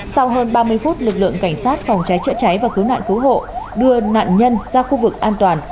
sau hơn ba mươi phút lực lượng cảnh sát phòng cháy chữa cháy và cứu nạn cứu hộ đưa nạn nhân ra khu vực an toàn